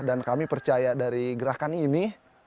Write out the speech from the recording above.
dan kami percaya dari gerakan ini